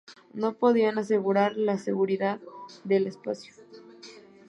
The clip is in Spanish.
no podían asegurar la seguridad del espacio